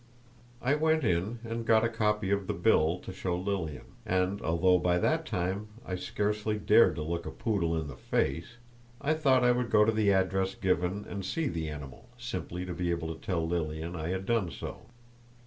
I went in and got a copy of the bill to show Lilian, and, although by that time I scarcely dared to look a poodle in the face, I thought I would go to the address given and see the animal, simply to be able to tell Lilian I had done so.